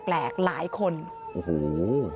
วันต่อมามีคนทักแปลก